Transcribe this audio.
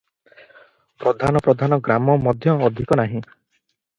ପ୍ରଧାନ ପ୍ରଧାନ ଗ୍ରାମ ମଧ୍ୟ ଅଧିକ ନାହିଁ ।